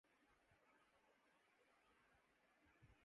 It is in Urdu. ہم مشقِ فکر وصل و غم ہجر سے‘ اسد!